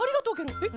えっ？